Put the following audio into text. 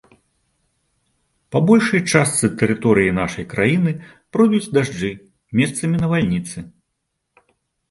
Па большай частцы тэрыторыі нашай краіны пройдуць дажджы, месцамі навальніцы.